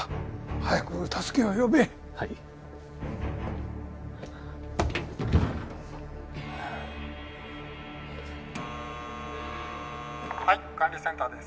早く助けを呼べはいはい管理センターです